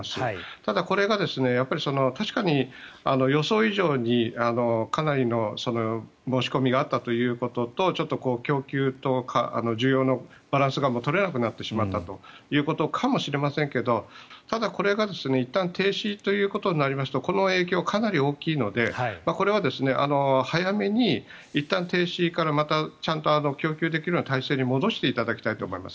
ただ、これが確かに予想以上にかなりの申し込みがあったということとちょっと供給と需要のバランスが取れなくなってしまったということかもしれませんがただ、これがいったん停止ということになるとこの影響、かなり大きいのでこれは早めに一旦停止から、またちゃんと供給できるような体制に戻していただきたいと思います。